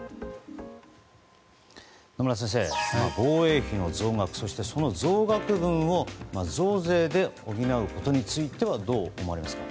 野村先生、防衛費の増額そして、その増額分を増税で補うことについてはどう思われますか。